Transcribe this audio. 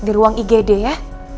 di ruang igd ya